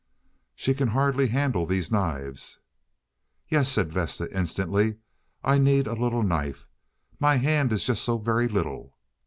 "She can hardly handle these knives." "Yes," said Vesta instantly. "I need a little knife. My hand is just so very little."